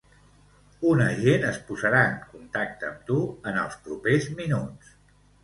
Un agent es posarà en contacte amb tu en els propers minuts.